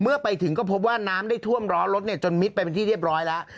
เมื่อไปถึงก็พบว่าน้ำได้ท่วมล้อรถจนมิดไปเป็นที่เรียบร้อยแล้ว